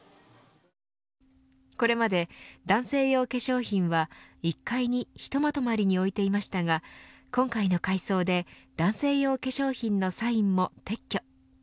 これまで男性用化粧品は１階にひとまとまりに置いていましたが今回の改装で男性用化粧品のサインも撤去。